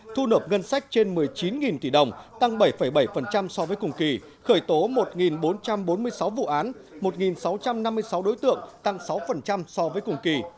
thu nộp ngân sách trên một mươi chín tỷ đồng tăng bảy bảy so với cùng kỳ khởi tố một bốn trăm bốn mươi sáu vụ án một sáu trăm năm mươi sáu đối tượng tăng sáu so với cùng kỳ